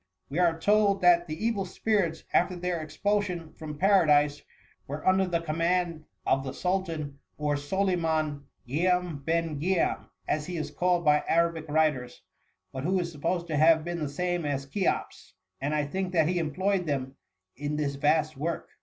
" We are told that the evil spirits, after their expulsion from Paradise, were under the commaad of the Sul tan,, or Soliman Gimn ben Giam, as he is called by Arabic writers, but who is supposed to have been the same as Cheops ; and I think that he employed them in this vast work.""